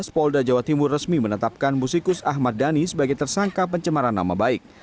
polda jawa timur resmi menetapkan musikus ahmad dhani sebagai tersangka pencemaran nama baik